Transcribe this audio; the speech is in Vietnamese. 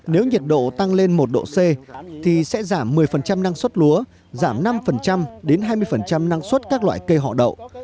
nếu nhiệt độ tăng lên một độ c thì sẽ giảm một mươi năng suất lúa giảm năm đến hai mươi năng suất các loại cây họ đậu